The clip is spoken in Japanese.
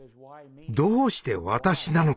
「どうして私なのか？